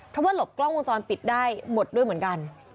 เพราะว่าหลบกล้องวงจรปิดได้หมดด้วยเหมือนกัน